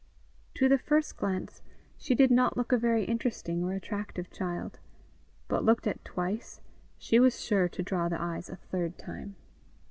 To the first glance she did not look a very interesting or attractive child; but looked at twice, she was sure to draw the eyes a third time.